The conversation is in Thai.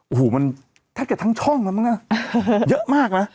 โอ้โหมันแทบกับทั้งช่องมันเยอะมากนะ